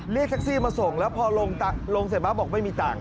เรียกแท็กซี่มาส่งแล้วพอลงเสร็จมาบอกไม่มีตังค์